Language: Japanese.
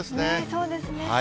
そうですね。